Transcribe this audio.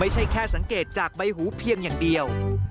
คนจะอายุสั้นอายุยืนเนี่ย